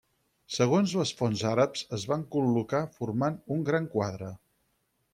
Segons les fonts àrabs es van col·locar formant un gran quadre.